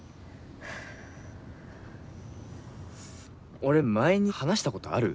俺前に話した事ある？